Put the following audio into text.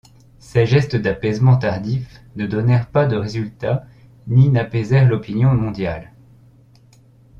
Ces gestes d'apaisements tardifs ne donnèrent pas de résultats ni n'apaisèrent l'opinion mondiale.